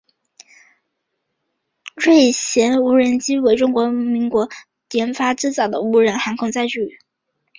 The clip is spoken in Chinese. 锐鸢无人机是为中华民国中科院研发制造的无人航空载具。